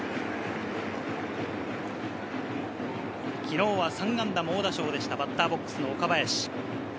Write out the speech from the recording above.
昨日は３安打猛打賞でした、バッターボックスの岡林。